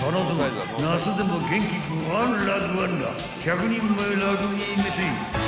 夏でも元気ぐわらぐわら１００人前ラグビー飯］